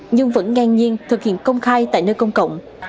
nhưng vẫn ngang nhiên thực hiện công khai tại nơi công cộng